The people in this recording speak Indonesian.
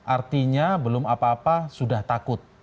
artinya belum apa apa sudah takut